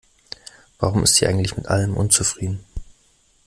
Warum ist sie eigentlich mit allem unzufrieden?